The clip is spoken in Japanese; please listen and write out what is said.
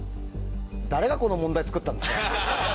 誰がこの問題作ったんですか？